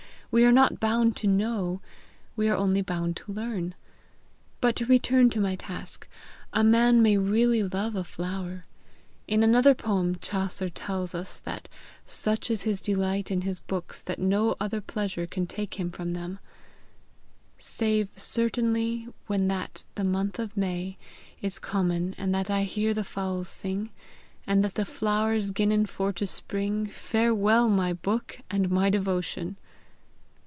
"We are not bound to know; we are only bound to learn. But to return to my task: a man may really love a flower. In another poem Chaucer tells us that such is his delight in his books that no other pleasure can take him from them Save certainly, when that the month of May Is comen, and that I heare the foules sing, And that the floures ginnen for to spring, Farwell my booke, and my devotion!